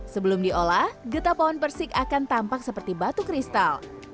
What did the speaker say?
sebelum diolah getah pohon persik akan tampak seperti batu kristal